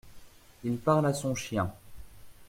Il parle à son chien.